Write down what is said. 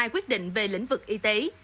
tám mươi hai quyết định về lĩnh vực y tế